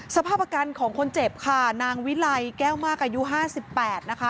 สภาพอาการของคนเจ็บค่ะนางวิไลแก้วมากอายุ๕๘นะคะ